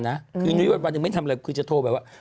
เนื้อหนุ๊ยบนบนมันทำรับก็จะโทรแบบว่า